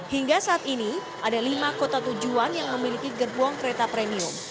hingga saat ini ada lima kota tujuan yang memiliki gerbong kereta premium